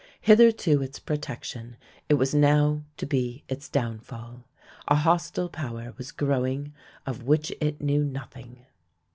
Hitherto its protection, it was now to be its downfall. A hostile power was growing of which it knew nothing.